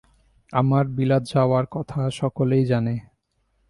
আমার বিলাত যাওয়ার কথা সকলেই জানে।